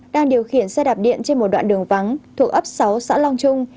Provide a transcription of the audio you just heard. đang điều khiển xe đạp điện trên một đoạn đường vắng thuộc ấp sáu xã long trung